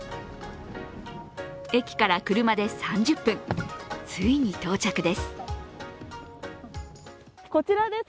駅から車で３０分、ついに到着です。